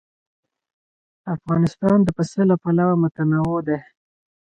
افغانستان د پسه له پلوه متنوع دی.